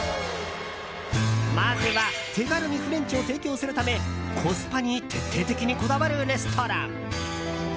まずは、手軽にフレンチを提供するためコスパに徹底的にこだわるレストラン。